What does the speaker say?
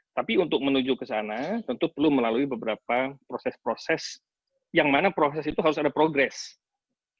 tapi untuk menuju ke sana tentu perlu melalui beberapa proses proses yang mana proses itu harus ada progress